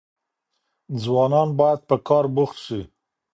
ځوانان بايد په کار بوخت سي.